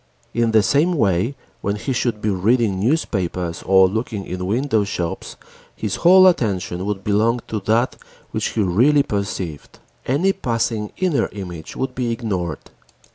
In the same way, when he should be reading newspapers or looking in shopwindows, his whole attention would belong to that which he really perceived. Any passing inner image would be ignored.